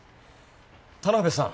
田辺さん